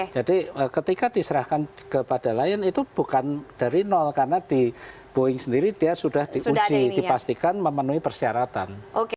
jadi ketika diserahkan kepada lion itu bukan dari nol karena di boeing sendiri dia sudah diuji dipastikan memenuhi persyaratan